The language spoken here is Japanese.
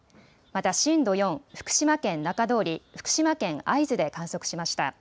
また震度４、福島県中通り、福島県会津で観測しました。